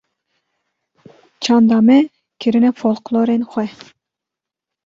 çanda me kirine foqlorên xwe.